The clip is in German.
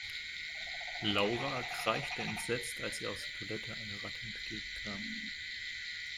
Laura kreischte entsetzt, als ihr aus der Toilette eine Ratte entgegenkam.